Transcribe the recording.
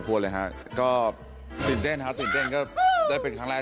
วันนี้เป็นไง